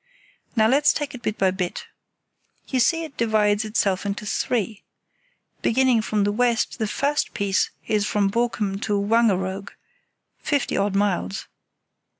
Now let's take it bit by bit. You see it divides itself into three. Beginning from the west the first piece is from Borkum to Wangeroog—fifty odd miles.